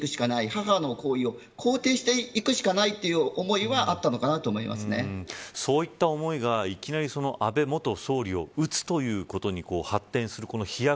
母の行為を肯定していくしかないという思いはそういった思いがいきなり安倍元総理を撃つということに発展する飛躍